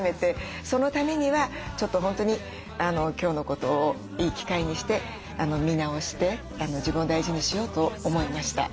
そのためにはちょっと本当に今日のことをいい機会にして見直して自分を大事にしようと思いました。